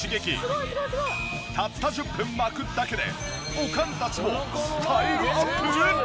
たった１０分巻くだけでおかんたちもスタイルアップ！？